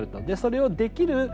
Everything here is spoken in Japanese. でそれをできる